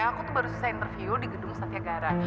aku tuh baru selesai interview di gedung satya gara